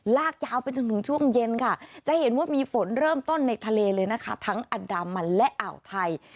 ลากยาวไปจนถึงช่วงเย็นค่ะจะเห็นว่ามีฝนเริ่มต้นในทะเลเลยนะคะทั้งอันดามันและอ่าวไทย